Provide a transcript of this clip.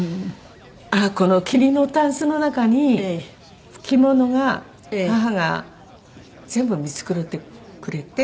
この桐のタンスの中に着物が母が全部見繕ってくれて。